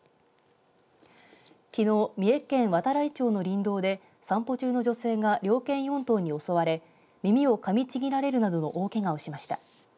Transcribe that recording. きのう、三重県度会町の林道で散歩中の女性が猟犬４頭に襲われ耳をかみちぎられるなどの大けがをしました。